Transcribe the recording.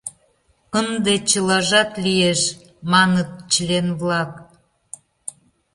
Ынде чылажат лиеш, — маныт член-влак.